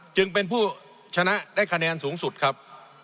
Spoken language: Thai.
จึงเป็นผู้ชนะได้คะแนนสูงสุดครับ